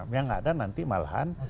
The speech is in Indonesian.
yang ada nanti malahan